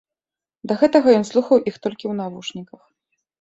Да гэтага ён слухаў іх толькі ў навушніках!